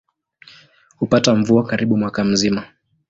Hupata mvua karibu mwaka mzima.